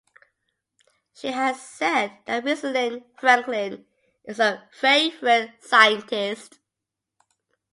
She has said that Rosalind Franklin is her favourite scientist.